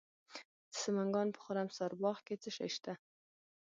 د سمنګان په خرم سارباغ کې څه شی شته؟